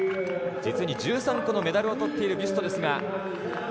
実に１３個のメダルをとっているビュストです。